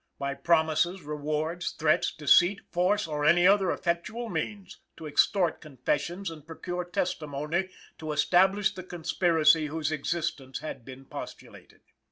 By promises, rewards, threats, deceit, force, or any other effectual means, to extort confessions and procure testimony to establish the conspiracy whose existence had been postulated.